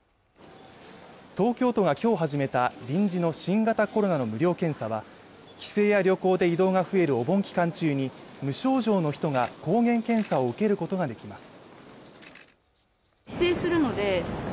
東京都が今日始めた臨時の新型コロナの無料検査は帰省や旅行で移動が増えるお盆期間中に無症状の人が抗原検査を受けることができます